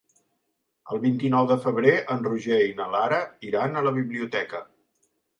El vint-i-nou de febrer en Roger i na Lara iran a la biblioteca.